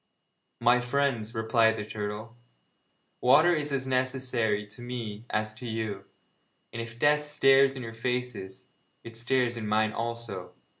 'My friends,' replied the turtle, 'water is as necessary to me as to you, and if death stares in your faces, it stares in mine also.